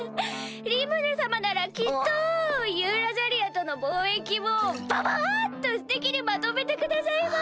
リムル様ならきっとユーラザニアとの貿易もばばっとステキにまとめてくださいます！